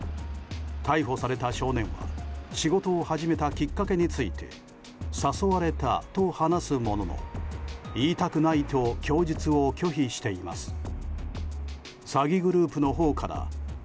逮捕された少年は仕事を始めたきっかけについて誘われたと話すものの言いたくないと供述を拒否しています。